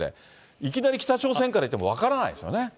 いきなり北朝鮮から行っても分からないですよね？